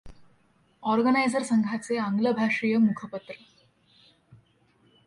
organiser संघाचे आंग्लभाषीय मुखपत्र